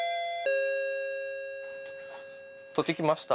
取ってきました。